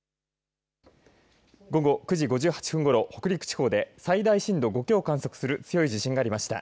午後９時５８分ごろ、北陸地方で最大震度５強を観測する強い地震がありました。